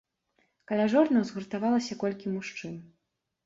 Каля жорнаў згуртавалася колькі мужчын.